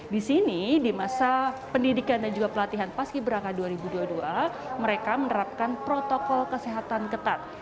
di sini di masa pendidikan dan juga pelatihan paski beraka dua ribu dua puluh dua mereka menerapkan protokol kesehatan ketat